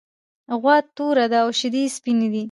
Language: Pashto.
غوا توره ده او شیدې یې سپینې دي.